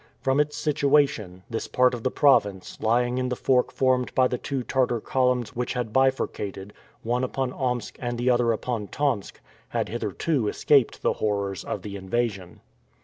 From its situation, this part of the province, lying in the fork formed by the two Tartar columns which had bifurcated, one upon Omsk and the other upon Tomsk, had hitherto escaped the horrors of the invasion.